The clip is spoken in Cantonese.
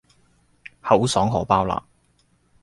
口爽荷包立